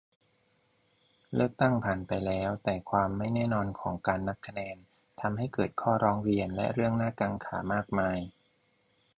เลือกตั้งผ่านไปแล้ว แต่ความไม่แน่นอนของการนับคะแนนทำให้เกิดข้อร้องเรียน และเรื่องน่ากังขามากมาย